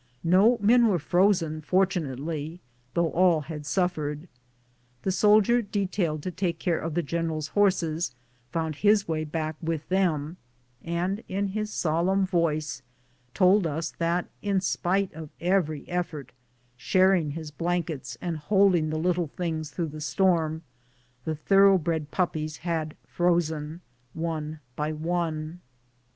No men were frozen, fortunately, though all had suffered. The soldier de tailed to take care of the general's horses found his way back with them, and in his solemn voice told us that in spite of every effort, sharing his blankets and holding the little things through the storm, the thorough bred pup pies had frozen one by one.